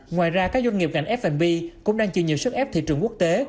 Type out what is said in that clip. ngoài ra các doanh nghiệp ngành f b cũng đang chịu nhiều sức ép thị trường quốc tế